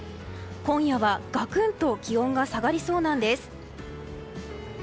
今夜は、ガクンと気温が下がりそうなんです。